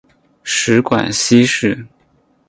食管憩室。